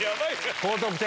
高得点。